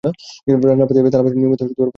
রান্নার পাতিল, থালাবাসন নিয়মিত পরিষ্কার করতে হবে।